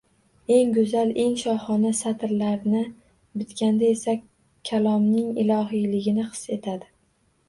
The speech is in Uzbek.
Eng goʻzal, eng shohona satrlarni bitganda esa kalomning ilohiyligini his etadi